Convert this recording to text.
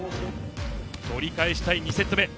取り返したい２セット目。